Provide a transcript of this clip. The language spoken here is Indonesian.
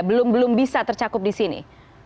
belum belum bisa tercakup di sini